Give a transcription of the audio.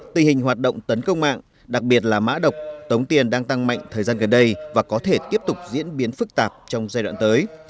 tình hình hoạt động tấn công mạng đặc biệt là mã độc tống tiền đang tăng mạnh thời gian gần đây và có thể tiếp tục diễn biến phức tạp trong giai đoạn tới